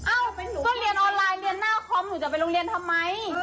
หนูก็เรียนออนไลน์เรียนหน้าคอมหนูจะไปโรงเรียนทำไม